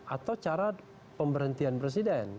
atau cara pemberhentian presiden